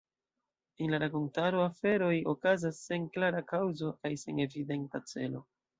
En la rakontaro aferoj okazas sen klara kaŭzo kaj sen evidenta celo.